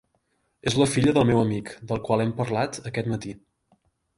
És la filla del meu amic, del qual hem parlat aquest matí.